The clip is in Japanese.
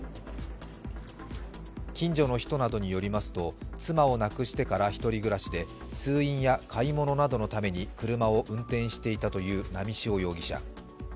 近所の人などによりますと妻を亡くしてから１人暮らしで通院や買い物などのために車を運転していたという波汐容疑者。